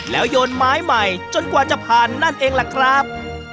แล้วโยนไม้ใหม่จนกว่าจะผ่านนั่นเองล่ะครับ